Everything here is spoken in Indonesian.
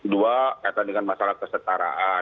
dua kaitan dengan masalah kesetaraan